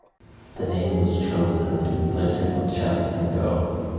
The name was chosen as a conflation of "chess" and "go".